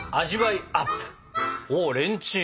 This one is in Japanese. おっレンチン。